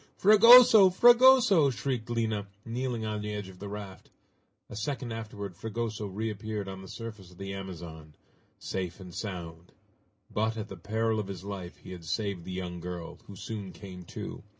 "Fragoso! Fragoso!" shrieked Lina, kneeling on the edge of the raft. A second afterward Fragoso reappeared on the surface of the Amazon safe and sound. But, at the peril of his life he had saved the young girl, who soon came to.